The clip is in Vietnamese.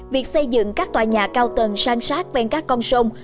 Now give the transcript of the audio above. việc xây dựng các tòa nhà cao tầng sang sát ven các con sông